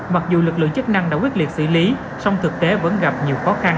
mặc dù lực lượng chức năng đã quyết liệt xử lý song thực tế vẫn gặp nhiều khó khăn